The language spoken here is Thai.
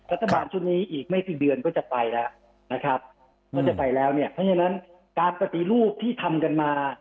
รัฐบาลชุดนี้อีกไม่สิกเดือนจะไปแล้วเพราะฉะนั้นการปฏิรูปที่ทำกันมา